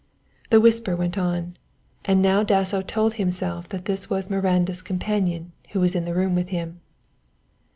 The whisper went on, and now Dasso told himself that this was Miranda's companion who was in the room with him.